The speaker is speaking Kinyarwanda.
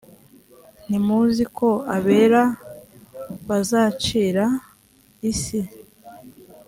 ntimuzi ko abera bazacira isi t